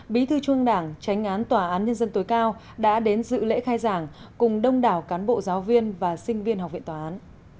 bí thư trung đảng tránh án tòa án nhân dân tối cao đã đến dự lễ khai giảng cùng đông đảo cán bộ giáo viên và sinh viên học viện tòa án